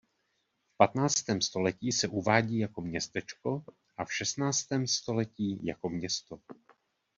V patnáctém století se uvádí jako městečko a v šestnáctém století jako město.